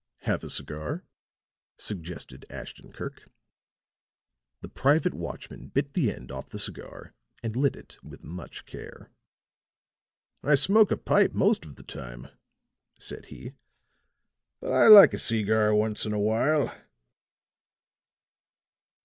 "Have a cigar?" suggested Ashton Kirk. The private watchman bit the end off the cigar and lit it with much care. "I smoke a pipe most of the time," said he, "but I like a cigar once in a while."